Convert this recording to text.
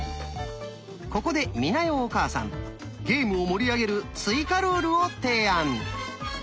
ここで美奈代お母さんゲームを盛り上げる追加ルールを提案。